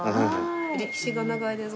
歴史が長いです。